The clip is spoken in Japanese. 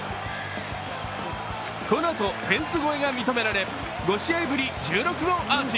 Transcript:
このあとフェンス越えが認められ、５試合ぶり１６号アーチ。